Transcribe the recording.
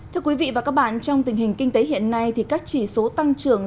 thưa quý vị và các bạn trong tình hình kinh tế hiện nay thì các chỉ số tăng trưởng